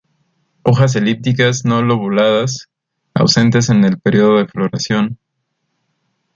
Hojas elípticas, no lobuladas, ausentes en el período de floración.